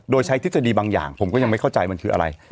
โดยใช้ทฤษฎีบางอย่างผมก็ยังไม่เข้าใจมันคืออะไร